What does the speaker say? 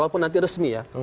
walaupun nanti resmi ya